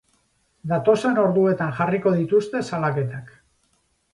Datozen orduetan jarriko dituzte salaketak.